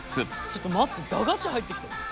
ちょっと待って駄菓子入ってきた。